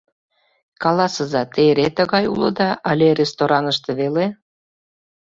— Каласыза, те эре тыгай улыда але рестораныште веле?